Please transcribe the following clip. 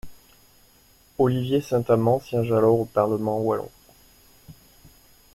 Olivier Saint-Amand siège alors au Parlement wallon.